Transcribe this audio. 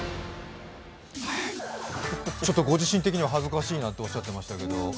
ご自身的には恥ずかしいとおっしゃってましたけど？